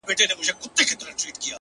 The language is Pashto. • بيزو وان سو په چغارو په نارو سو,